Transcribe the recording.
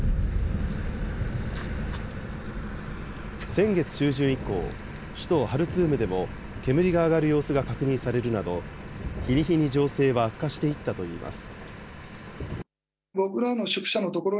先月中旬以降、首都ハルツームでも、煙が上がる様子が確認されるなど、日に日に情勢は悪化していったといいます。